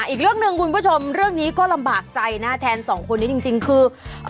อีกเรื่องหนึ่งคุณผู้ชมเรื่องนี้ก็ลำบากใจนะแทนสองคนนี้จริงคือ